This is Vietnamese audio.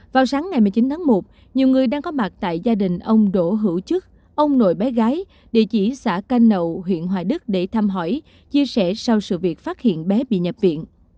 vào sáng ngày một mươi chín tháng một nhiều người đang có mặt tại gia đình ông đỗ hữu chức ông nội bé gái địa chỉ xã canh nậu huyện hoài đức để thăm hỏi chia sẻ sau sự việc phát hiện bé bị nhập viện